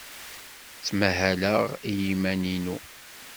Ttmahaleɣ i yiman-inu.